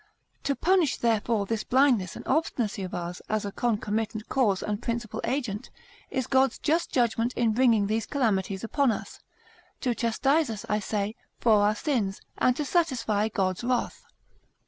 To punish therefore this blindness and obstinacy of ours as a concomitant cause and principal agent, is God's just judgment in bringing these calamities upon us, to chastise us, I say, for our sins, and to satisfy God's wrath.